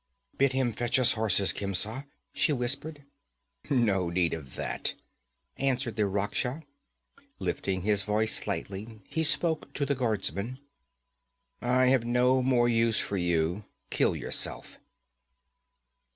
'Bid him fetch us horses, Khemsa,' she whispered. 'No need of that,' answered the Rakhsha. Lifting his voice slightly he spoke to the guardsman. 'I have no more use for you. Kill yourself!'